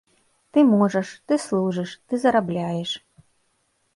Ты можаш, ты служыш, ты зарабляеш.